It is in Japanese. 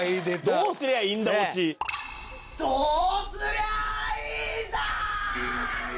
どうすりゃいいんだー！